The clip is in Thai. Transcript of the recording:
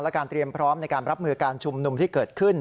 และการเตรียมพร้อมในการรับมือการชุมนุมที่เกิดขึ้น